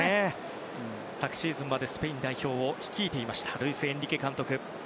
昨シーズンまでスペイン代表を率いていましたルイス・エンリケ監督。